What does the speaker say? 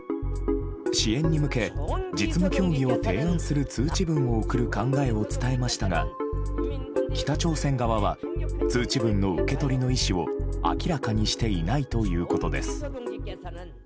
支援に向け実務協議を提案する通知文を送る考えを伝えましたが北朝鮮側は通知文の受け取りの意思を明らかにしていないということです。